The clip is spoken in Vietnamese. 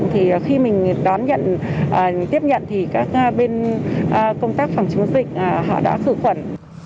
thì khi mình đón nhận tiếp nhận thì các bên công tác phòng chống dịch họ đã khử khuẩn